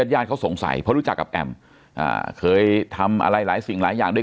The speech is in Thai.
ยาดเค้าสงสัยว่ารู้จักกับแอมเคยทำอะไรหลายสิ่งหลายอย่าง